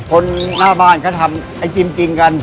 คนหน้าบ้านเขาทำไอติมกินกัน